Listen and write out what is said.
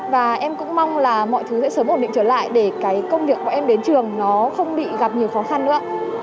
và em cũng mong là mọi thứ sẽ sớm ổn định trở lại để công việc của em đến trường không bị gặp nhiều khó khăn nữa